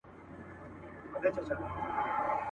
هم برېتونه هم لكۍ يې ښوروله.